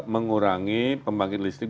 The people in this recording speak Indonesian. mengurangi pembangkit listrik